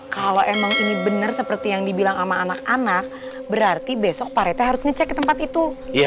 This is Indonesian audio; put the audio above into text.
kalau emang ini benar seperti yang dibilang sama anak anak berarti besok pak rete harus ngecek ke tempat itu